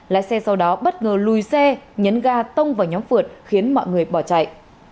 lái xe sau đó bất ngờ lùi xe nhấn ga tông vào nhóm phượt khiến mọi người bỏ chạy